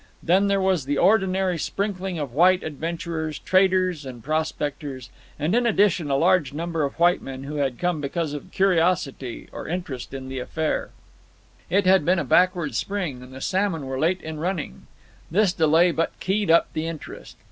Then there was the ordinary sprinkling of white adventurers, traders, and prospectors, and, in addition, a large number of white men who had come because of curiosity or interest in the affair. It had been a backward spring, and the salmon were late in running. This delay but keyed up the interest.